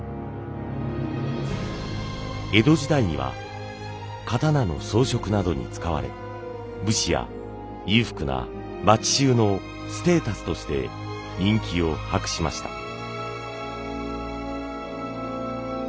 江戸時代には刀の装飾などに使われ武士や裕福な町衆のステータスとして人気を博しました。